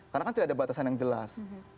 karena kan tidak ada batasan yang jelas